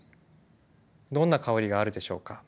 どんな香りがあるでしょうか？